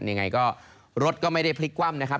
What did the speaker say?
ยังไงก็รถก็ไม่ได้พลิกคว่ำนะครับ